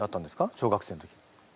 小学生の時。